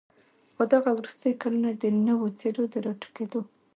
خو دغه وروستي كلونه د نوو څېرو د راټوكېدو